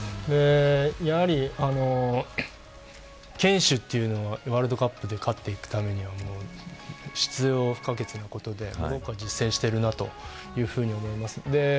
やはり、堅守というのはワールドカップで勝っていくためには必要不可欠なことでモロッコは実践していると思います。